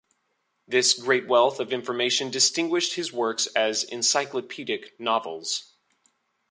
This great wealth of information distinguished his works as "encyclopedic novels".